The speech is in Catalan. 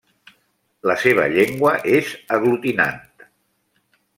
La seva llengua és aglutinant.